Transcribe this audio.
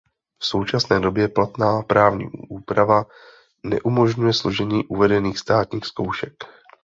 V současné době platná právní úprava neumožňuje složení uvedených státních zkoušek.